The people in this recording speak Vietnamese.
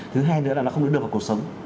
thứ hai nữa là nó không được đưa vào cuộc sống